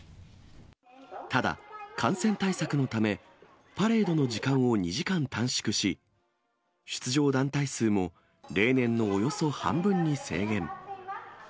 ただ、感染対策のため、パレードの時間を２時間短縮し、出場団体数も、例年のおよそ半分に制限。